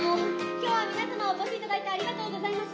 今日は皆様お越し頂いてありがとうございます。